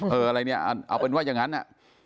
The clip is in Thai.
อะไรเนี่ยเอาเป็นว่าอย่างนั้นอ่ะ